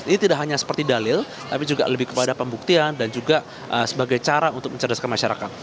ini tidak hanya seperti dalil tapi juga lebih kepada pembuktian dan juga sebagai cara untuk mencerdaskan masyarakat